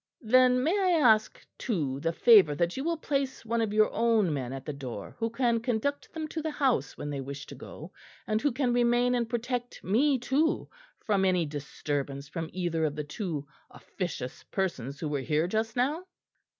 "Then may I ask too the favour that you will place one of your own men at the door who can conduct them to the house when they wish to go, and who can remain and protect me too from any disturbance from either of the two officious persons who were here just now?"